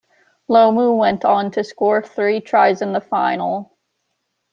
Lomu went on to score three tries in the final.